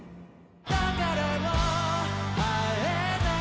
「だからもう会えないや」